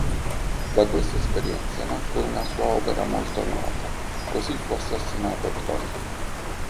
Da questa esperienza nacque una sua opera molto nota, "Così fu assassinato Trotsky".